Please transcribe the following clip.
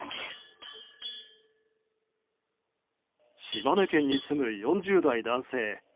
島根県に住む４０代男性。